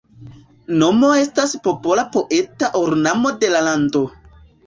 Nomo estas “popola poeta ornamo” de la lando.